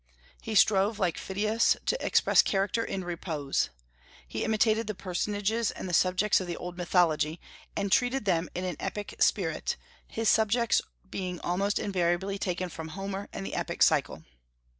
He strove, like Phidias, to express character in repose. He imitated the personages and the subjects of the old mythology, and treated them in an epic spirit, his subjects being almost invariably taken from Homer and the Epic cycle.